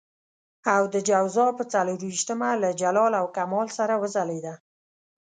او د جوزا پر څلور وېشتمه له جلال او کمال سره وځلېده.